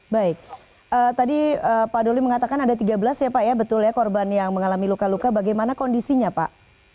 baik tadi pak doli mengatakan ada tiga belas ya pak ya betul ya korban yang mengalami luka luka bagaimana kondisinya pak